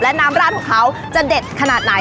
และน้ำราดของเขาจะเด็ดขนาดไหน